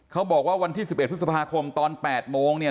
เขาบอกว่าวันที่๑๑พฤษภาคมตอน๘โมงเนี่ย